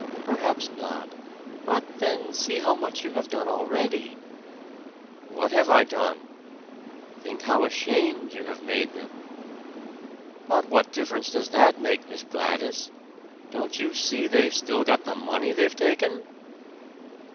"Perhaps not. But, then, see how much you have done already!" "What have I done?" "Think how ashamed you have made them!" "But what difference does that make, Miss Gladys? Don't you see they've still got the money they've taken?"